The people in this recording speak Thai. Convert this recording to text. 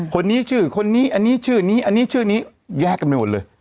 คนนี้ชื่อคนนี้อันนี้ชื่อนี้อันนี้ชื่อนี้แยกกันไปหมดเลย